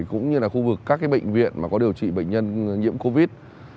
cũng như là khu vực các bệnh viện có điều trị bệnh nhân nhiễm covid